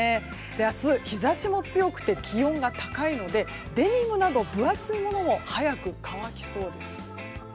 明日、日差しも強くて気温が高いのでデニムなど分厚いものも早く乾きそうです。